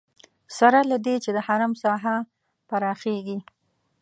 سره له دې چې د حرم ساحه پراخېږي.